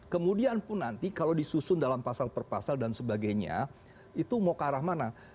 kemudian pun nanti kalau disusun dalam pasal per pasal dan sebagainya itu mau ke arah mana